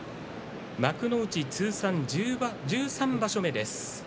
幕内通算１３場所目です。